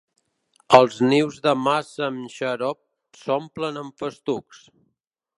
Els nius de massa amb xarop s'omplen amb festucs.